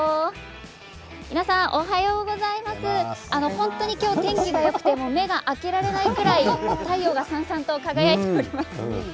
本当に今日天気がよくて目が開けられないぐらい太陽がさんさんと輝いております。